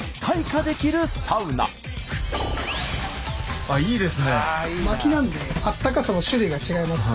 あっいいですね。